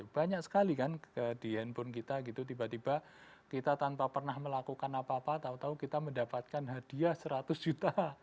banyak sekali kan di handphone kita gitu tiba tiba kita tanpa pernah melakukan apa apa tau tau kita mendapatkan hadiah seratus juta